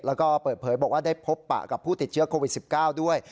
แล้วก็เปิดเผยบอกว่าได้พบปะกับผู้ติดเชื้อโควิด๑๙ด้วย